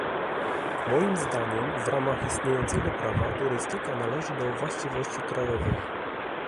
Moim zdaniem w ramach istniejącego prawa turystyka należy do właściwości krajowych